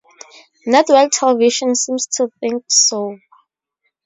Network television seems to think so.